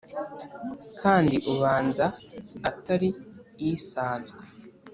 Kandi ubanza atari isanzwe: